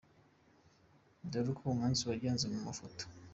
Dore uko umunsi wagenze mu mafoto:.